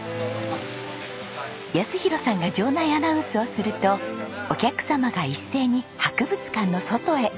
泰弘さんが場内アナウンスをするとお客様が一斉に博物館の外へ。